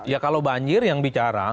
ya kalau banjir yang bicara